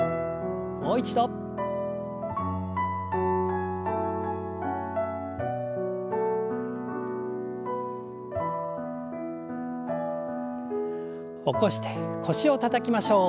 もう一度。起こして腰をたたきましょう。